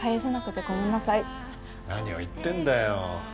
何を言ってんだよ。